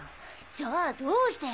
じゃあどうして？